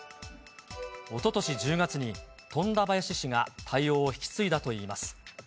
おととし１０月に、富田林市が対応を引き継いだといいます。